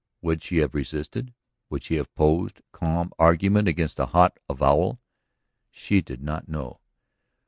Would she have resisted, would she have opposed calm argument against a hot avowal? She did not know.